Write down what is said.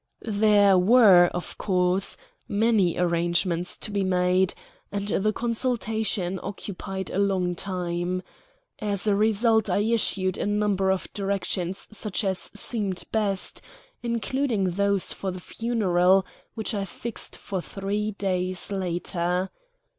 There were, of course, many arrangements to be made, and the consultation occupied a long time. As a result I issued a number of directions such as seemed best, including those for the funeral, which I fixed for three days later.